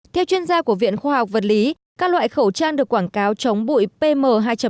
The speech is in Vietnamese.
theo chuyên gia của viện khoa học vật lý các loại khẩu trang được quảng cáo chống bụi pm hai năm